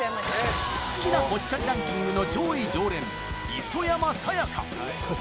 好きなぽっちゃりランキングの上位常連磯山さやか